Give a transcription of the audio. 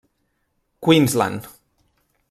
Queensland.